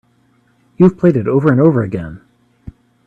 You've played it over and over again.